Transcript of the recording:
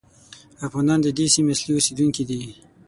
افغانان د دې سیمې اصلي اوسېدونکي دي.